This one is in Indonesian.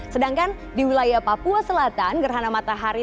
sedangkan di wilayah papua selatan gerhana matahari